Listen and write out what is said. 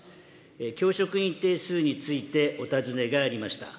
教職員定数についてお尋ねがありました。